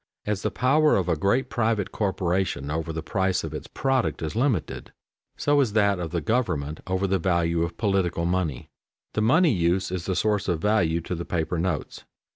As the power of a great private corporation over the price of its product is limited, so is that of the government over the value of political money. The money use is the source of value to the paper notes.